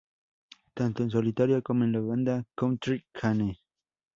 Tanto en solitario como en la banda Country Kane.